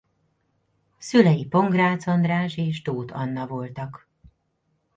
Szülei Pongrácz András és Tóth Anna voltak.